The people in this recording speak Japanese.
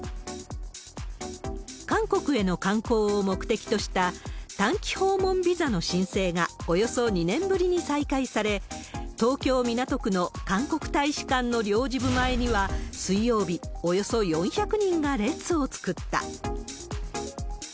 韓国への観光を目的とした、短期訪問ビザの申請がおよそ２年ぶりに再開され、東京・港区の韓国大使館の領事部前には、水曜日、およそ４００人が列を作った。